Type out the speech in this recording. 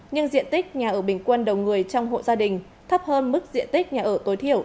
nhưng diện tích nhà ở bình quân đầu người trong hộ gia đình thấp hơn mức diện tích nhà ở tối thiểu